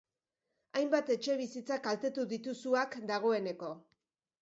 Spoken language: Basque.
Hainbat etxebizitza kaltetu ditu suak dagoeneko.